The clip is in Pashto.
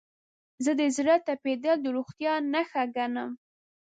زه د زړه تپیدل د روغتیا نښه ګڼم.